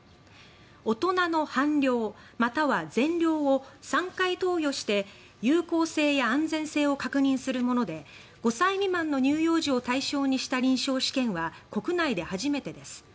大人の半量または全量を３回投与して有効性や安全性を確認するもので５歳未満の乳幼児を対象にした臨床試験は国内で初めてです。